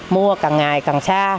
mua càng ngày càng xa